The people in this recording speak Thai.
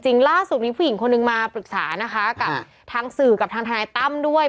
เหมือนล่าสุดนี้ผู้หญิงคนนึงมาปรึกษานะคะกับทั้งสื่อกับทางทางแนะต้ำด้วย